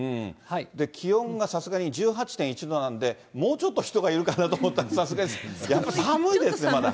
気温がさすがに１８．１度なんで、もうちょっと人がいるかなと思ったんですけれども、さすがに寒いですね、まだ。